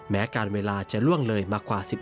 แม้การเวลาจะล่วงเลยมากว่า๑๕